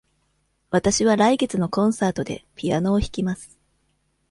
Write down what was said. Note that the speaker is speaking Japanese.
わたしは来月のコンサートでピアノを弾きます。